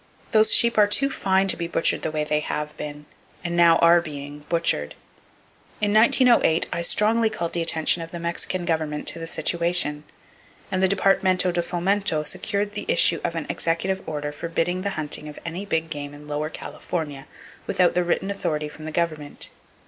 Those sheep are too fine to be butchered the way they have been, and now are being butchered. In 1908 I strongly called the attention of the Mexican Government to the situation; and the Departmento de Fomento secured the issue of an executive order forbidding the hunting of any big game in Lower California without the written authority of the government.